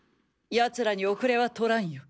奴らに後れはとらんよ。